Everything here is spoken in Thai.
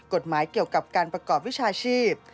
เกี่ยวกับการประกอบวิชาชีพ